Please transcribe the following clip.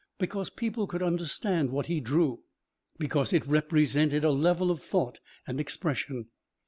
Because people could understand what he drew, because it represented a level of thought and expression.